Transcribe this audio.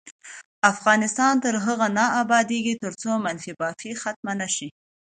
افغانستان تر هغو نه ابادیږي، ترڅو منفي بافي ختمه نشي.